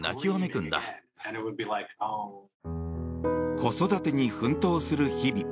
子育てに奮闘する日々。